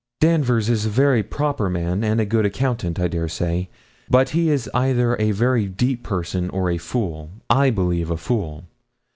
'Danvers is a very proper man and a good accountant, I dare say; but he is either a very deep person, or a fool I believe a fool.